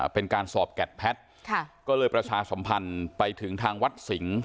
เป็นการสอบแกดแพทย์ก็เลยประชาสมพันธ์ไปถึงทางวัดสิงห์